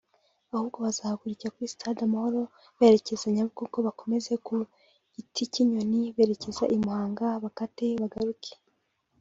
ahubwo bazahagurukira kuri Stade Amahoro berekeze Nyabugogo bakomeze ku Gitikinyoni berekeze i Muhanga bakate bagaruke